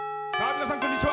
皆さん、こんにちは。